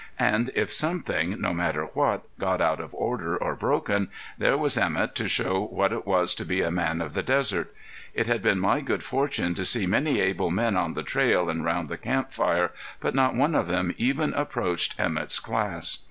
And if something, no matter what, got out of order or broken, there was Emett to show what it was to be a man of the desert. It had been my good fortune to see many able men on the trail and round the camp fire, but not one of them even approached Emett's class.